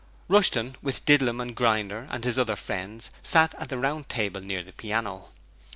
Rushton, with Didlum and Grinder and his other friends, sat at the round table near the piano.